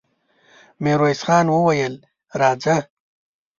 ميرويس خان وويل: راځه!